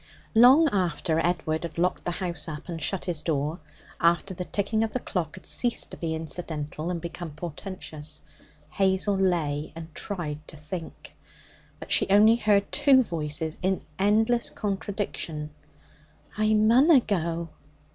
Long after Edward had locked the house up and shut his door, after the ticking of the clock had ceased to be incidental and become portentous, Hazel lay and tried to think. But she only heard two voices in endless contradiction, 'I munna go.